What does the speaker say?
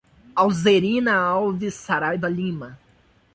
Alzerina Alves Saraiva Lima